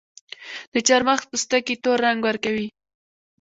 د چارمغز پوستکي تور رنګ ورکوي.